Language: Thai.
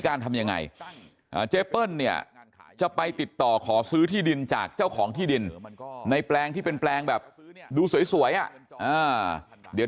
ทำยังไงเจ๊เปิ้ลเนี่ยจะไปติดต่อขอซื้อที่ดินจากเจ้าของที่ดินในแปลงที่เป็นแปลงแบบดูสวยอ่ะเดี๋ยว